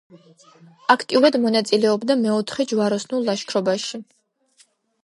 აქტიურად მონაწილეობდა მეოთხე ჯვაროსნულ ლაშქრობაში.